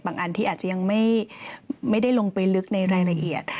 อันที่อาจจะยังไม่ได้ลงไปลึกในรายละเอียด